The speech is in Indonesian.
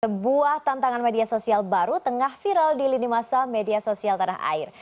sebuah tantangan media sosial baru tengah viral di lini masa media sosial tanah air